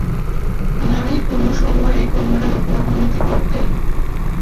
নারী-পুরুষ উভয়েই কোমরের উপর ধুতি পরতেন।